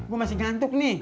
gua masih ngantuk nih